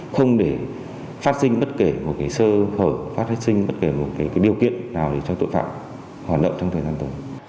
không để phát sinh bất kể một sơ hở phát sinh bất kể một điều kiện nào để cho tội phạm hoạt động trong thời gian tới